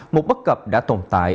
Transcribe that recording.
một bất cập đã tồn tại